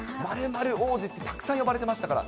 ○○王子ってたくさん呼ばれてましたから。